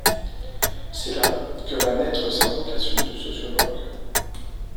C’est là que va naitre sa vocation de sociologue.